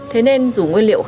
thế nên dù nguyên liệu khác